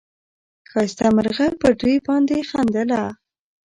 ښایسته مرغه پر دوی باندي خندله